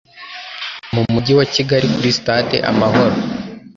mu Mujyi wa Kigali kuri Stade Amahoro